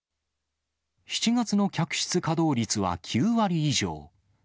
７月の客室稼働率は９割以上。